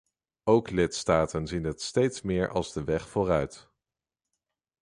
Ook lidstaten zien dit steeds meer als de weg vooruit.